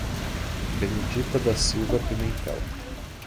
Benedita da Silva Pimentel